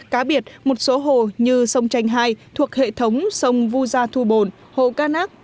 cá biệt một số hồ như sông tranh hai thuộc hệ thống sông vu gia thu bồn hồ ca nác